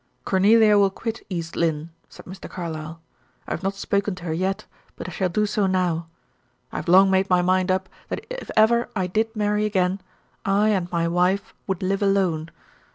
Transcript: "Cornelia will quit East Lynne," said Mr. Carlyle. "I have not spoken to her yet, but I shall do so now. I have long made my mind up that if ever I did marry again, I and my wife would live alone.